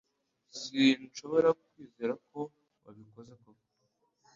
Sinshobora kwizera ko wabikoze koko.